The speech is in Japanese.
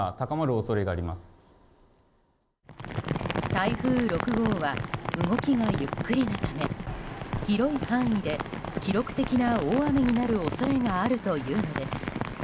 台風６号は動きがゆっくりなため広い範囲で記録的な大雨になる恐れがあるというのです。